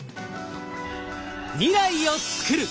未来をつくる！